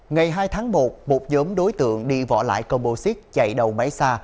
ngày hai tháng một một nhóm đối tượng đi vỏ lại combo xích chạy đầu máy xa